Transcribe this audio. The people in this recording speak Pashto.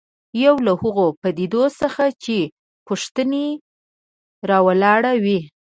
یو له هغو پدیدو څخه چې پوښتنې راولاړوي.